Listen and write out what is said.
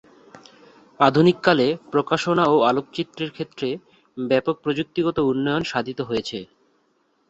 আধুনিককালে প্রকাশনা ও আলোকচিত্রের ক্ষেত্রে ব্যাপক প্রযুক্তিগত উন্নয়ন সাধিত হয়েছে।